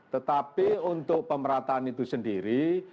tetapi untuk pemerataan itu sendiri